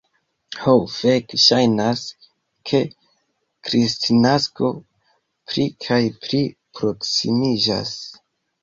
Ho fek, ŝajnas ke Kristnasko pli kaj pli proksimiĝas.